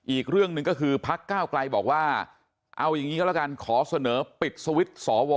อีกเรื่องหนึ่งก็คือพักก้าวไกลบอกว่าเอาอย่างนี้ก็แล้วกันขอเสนอปิดสวิตช์สว